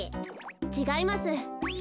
ちがいます。